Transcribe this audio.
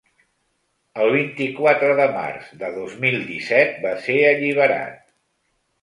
El vint-i-quatre de març de dos mil disset va ser alliberat.